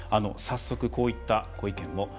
早速こういったご意見も。